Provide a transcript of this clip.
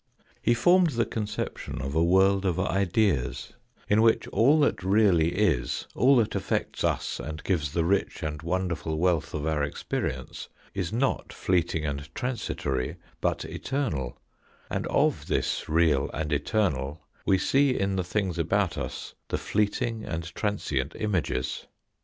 He formed the conception of a world of ideas, in which all that really is, all that affects us and gives the rich and wonderful wealth of our experience, is not fleeting and transitory, but eternal; And of this real and eternal we see in the things about us the fleeting and transient images.